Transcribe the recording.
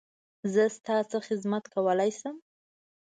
زه ستا څه خدمت کولی شم؟